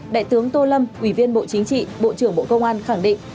đại tướng tô lâm ủy viên bộ chính trị bộ trưởng bộ công an khẳng định